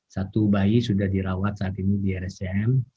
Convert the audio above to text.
satu bayi sudah dirawat saat ini di rscm